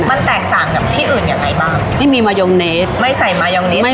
มันแตกต่างกับที่อื่นยังไงบ้างที่มีมายองเนสไม่ใส่มายองเนส